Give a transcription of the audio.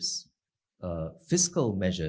dengan cara yang sama